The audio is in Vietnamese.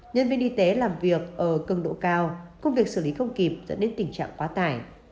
nhân viên y tế làm việc ở cường độ cao công việc xử lý không kịp dẫn đến tình trạng quá tải